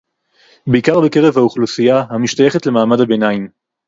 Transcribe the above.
בעיקר בקרב האוכלוסייה המשתייכת למעמד הביניים